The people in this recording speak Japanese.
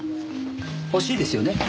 欲しいですよね？